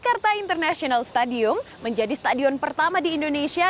jakarta international stadium menjadi stadion pertama di indonesia